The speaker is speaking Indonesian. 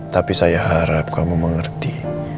tapi saya harap kamu mengerti